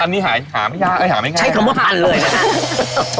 อันนี้หายหังไม่ง่ายใช้คำว่าพันเลยนะฮะ